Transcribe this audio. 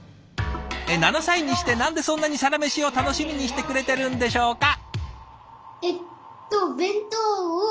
７歳にして何でそんなに「サラメシ」を楽しみにしてくれてるんでしょうか？